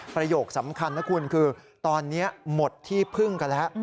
ประโยคสำคัญนะคุณคือตอนนี้หมดที่พึ่งกันแล้ว